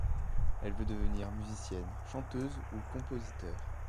Elle veut devenir musicienne, chanteuse ou compositeur.